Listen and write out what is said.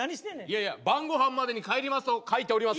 いやいや「晩ごはんまでに帰ります」と書いております。